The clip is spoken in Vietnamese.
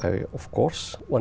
đó chắc chắn